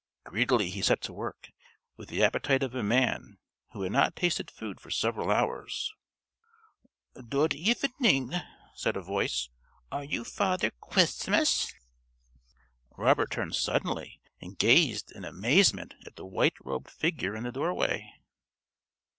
Greedily he set to work, with the appetite of a man who had not tasted food for several hours.... "Dood evening," said a voice. "Are you Father Kwistmas?" Robert turned suddenly, and gazed in amazement at the white robed figure in the doorway.